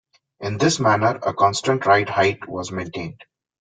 In this manner, a constant ride height was maintained.